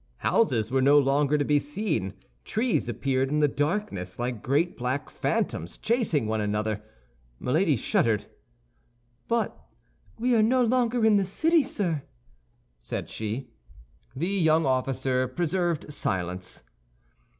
Houses were no longer to be seen; trees appeared in the darkness like great black phantoms chasing one another. Milady shuddered. "But we are no longer in the city, sir," said she. The young officer preserved silence.